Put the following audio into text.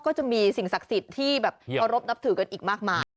ก็จะมีสิ่งศักดิ์สิทธิ์ที่แบบเคารพนับถือกันอีกมากมาย